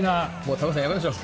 玉川さん、やめましょう。